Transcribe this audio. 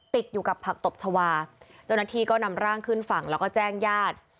ติดอยู่กับผักตบชาวาเจ้าหน้าที่ก็นำร่างขึ้นฝั่งแล้วก็แจ้งญาติ